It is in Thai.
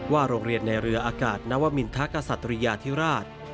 โรงเรียนในเรืออากาศนวมินทกษัตริยาธิราช